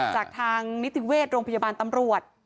จากทางนิติเวชโรงพยาบาลตำรวจ